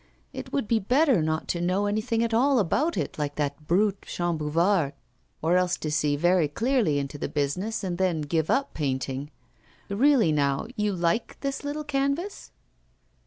It would be better not to know anything at all about it, like that brute Chambouvard, or else to see very clearly into the business and then give up painting.... Really now, you like this little canvas?